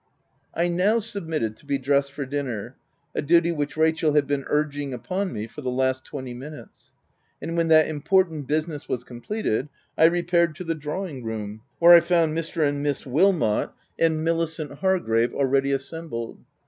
I now submitted to be dressed for dinner — a duty which Rachel had been urging upon me for the last twenty minutes ; and when that important business was completed, I repaired OF WILDFELL HALL. 323 to the drawing room where I found Mr, and Miss Wilmot, and Milicent Hargrave already assembled.